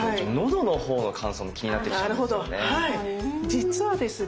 実はですね